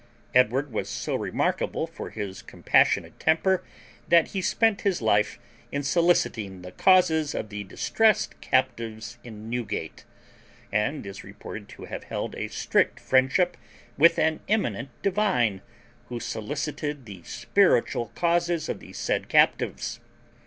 Edward was so remarkable for his compassionate temper that he spent his life in soliciting the causes of the distressed captives in Newgate, and is reported to have held a strict friendship with an eminent divine who solicited the spiritual causes of the said captives.